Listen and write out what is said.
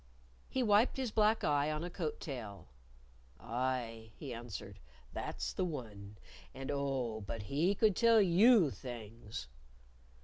He wiped his black eye on a coat tail. "Aye," he answered. "That's the one. And, oh, but he could tell you things!"